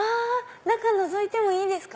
中のぞいてもいいですか？